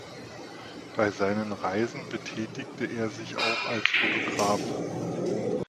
Bei seinen Reisen betätigte er sich auch als Fotograf.